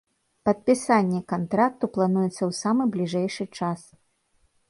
Падпісанне кантракту плануецца ў самы бліжэйшы час.